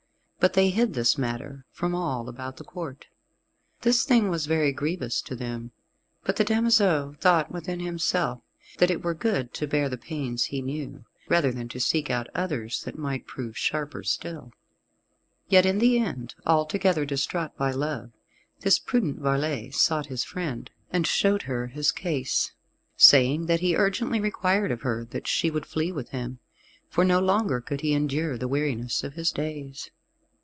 But they hid this matter from all about the Court. This thing was very grievous to them, but the damoiseau thought within himself that it were good to bear the pains he knew, rather than to seek out others that might prove sharper still. Yet in the end, altogether distraught by love, this prudent varlet sought his friend, and showed her his case, saying that he urgently required of her that she would flee with him, for no longer could he endure the weariness of his days.